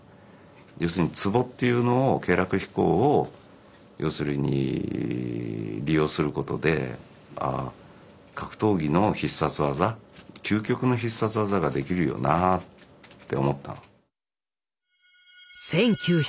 要するにツボっていうのを経絡秘孔を利用することで格闘技の必殺技究極の必殺技ができるよなって思ったの。